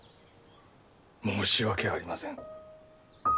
申し訳ありません。